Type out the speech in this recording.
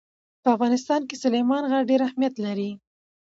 په افغانستان کې سلیمان غر ډېر اهمیت لري.